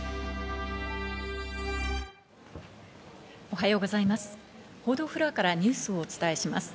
おはようございます。